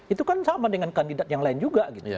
itu kan sama dengan kandidat yang lain juga